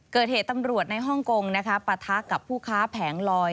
เกิดเหตุตำรวจในฮ่องกงปะทะกับผู้ค้าแผงลอย